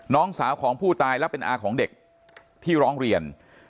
น้องสาวของผู้ตายและเป็นอาของเด็กที่ร้องเรียน